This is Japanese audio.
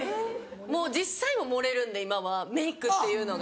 もう実際も盛れるんで今はメイクっていうのが。